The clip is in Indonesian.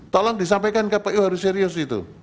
tolong disampaikan kpu harus serius itu